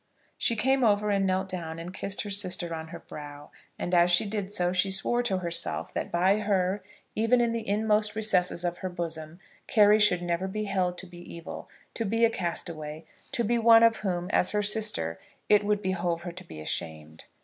She came over, and knelt down and kissed her sister on her brow; and as she did so she swore to herself that by her, even in the inmost recesses of her bosom, Carry should never be held to be evil, to be a castaway, to be one of whom, as her sister, it would behove her to be ashamed.